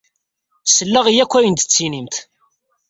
Selleɣ i wakk ayen ay d-tettinimt.